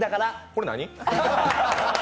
これ何？